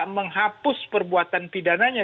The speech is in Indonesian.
menghapus perbuatan pidananya